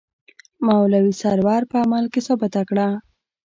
مولوي سرور په عمل کې ثابته کړه.